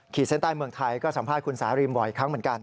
เส้นใต้เมืองไทยก็สัมภาษณ์คุณสารีมบ่อยครั้งเหมือนกัน